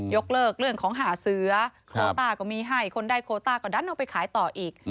ยกเลิกเรื่องของหาเสือโคต้าก็มีให้คนได้โคต้าก็ดันเอาไปขายต่ออีก